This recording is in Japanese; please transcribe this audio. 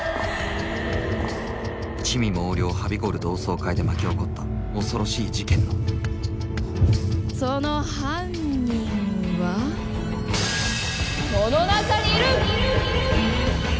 魑魅魍魎はびこる同窓会で巻き起こった恐ろしい事件のその犯人はこの中にいる！